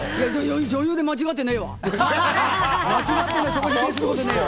女優で間違ってないよ。